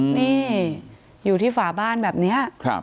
นี่อยู่ที่ฝาบ้านแบบนี้